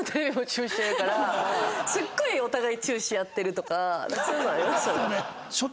すっごいお互いチューし合ってるとかなんかそういうのはありますよね。